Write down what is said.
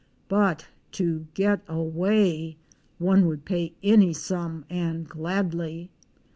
But to get away — one would pay any sum and gladly.